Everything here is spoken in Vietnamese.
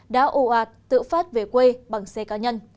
đã ồ ạt tự phát về quê bằng xe cá nhân